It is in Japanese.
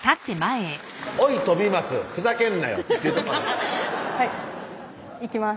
「おい飛松ふざけんなよ」っていうとこからはいいきます